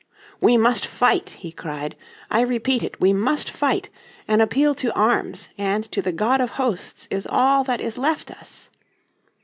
"We must fight," he cried, "I repeat it, we must fight! An appeal to arms and to the God of Hosts is all that is left us."